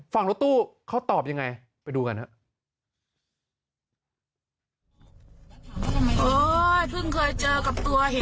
ฝั่งรถตู้เขาตอบยังไงไปดูกันครับ